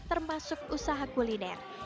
termasuk usaha kuliner